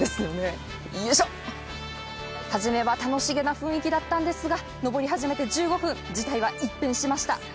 初めは楽しげな雰囲気だったんですが登り始めて１５分、事態は一変じつした。